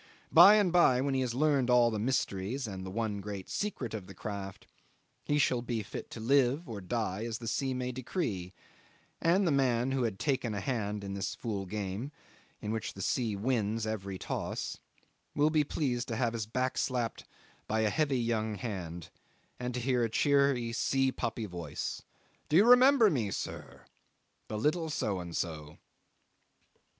By and by, when he has learned all the little mysteries and the one great secret of the craft, he shall be fit to live or die as the sea may decree; and the man who had taken a hand in this fool game, in which the sea wins every toss, will be pleased to have his back slapped by a heavy young hand, and to hear a cheery sea puppy voice: "Do you remember me, sir? The little So and so."